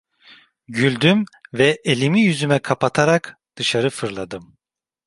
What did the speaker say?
Güldüm ve elimi yüzüme kapatarak dışarı fırladım.